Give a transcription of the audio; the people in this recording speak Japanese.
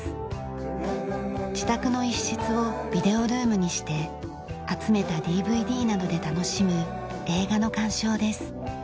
自宅の一室をビデオルームにして集めたＤＶＤなどで楽しむ映画の鑑賞です。